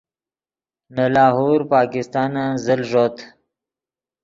نے لاہور پاکستانن زل ݱوت